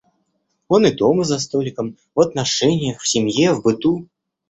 Он и дома за столиком, в отношеньях, в семье, в быту.